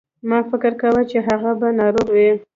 ما فکر کاوه چې هغه به ناروغ وي.